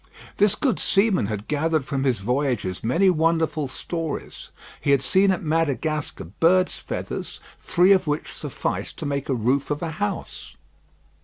This good old seaman had gathered from his voyages many wonderful stories. He had seen at Madagascar birds' feathers, three of which sufficed to make a roof of a house.